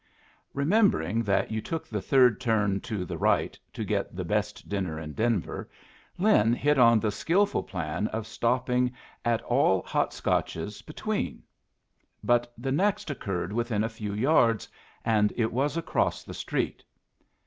Remembering that you took the third turn to the right to get the best dinner in Denver, Lin hit on the skilful plan of stopping at all Hot Scotches between; but the next occurred within a few yards, and it was across the street.